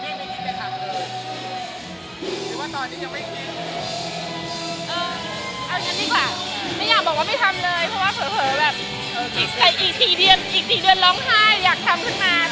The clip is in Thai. ไม่ได้นิดนึงไปทำหรือว่าตอนนี้จะไม่คิด